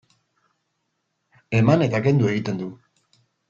Eman eta kendu egiten du.